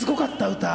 歌。